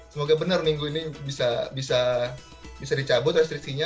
semoga benar minggu ini bisa dicabut restriksinya